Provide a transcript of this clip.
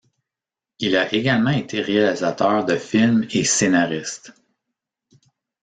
Il a également été réalisateur de films et scénariste.